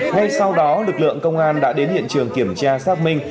ngay sau đó lực lượng công an đã đến hiện trường kiểm tra xác minh